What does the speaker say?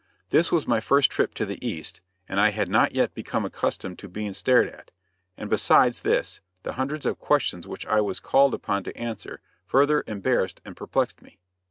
This was my first trip to the East, and I had not yet become accustomed to being stared at. And besides this, the hundreds of questions which I was called upon to answer further embarrassed and perplexed me.